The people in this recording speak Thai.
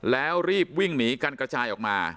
แล้วรีบวิ่งหนีกันกระจายออกมา